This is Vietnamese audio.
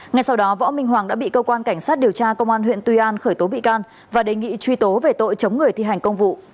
ngay sau đó võ minh hoàng đã bị cơ quan cảnh sát điều tra công an huyện tuy an khởi tố bị can và đề nghị truy tố về tội chống người thi hành công vụ